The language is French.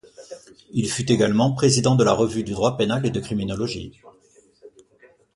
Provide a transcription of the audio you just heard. Il fut également président de la revue du droit pénal et de criminologie.